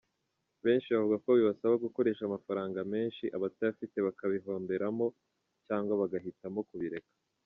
Benshi bavuga ko bibasaba gukoresha amafaranga menshi abatayafite bakabihomberamo cyangwa bagahitamo kubireka.